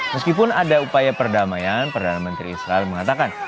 meskipun ada upaya perdamaian perdana menteri israel mengatakan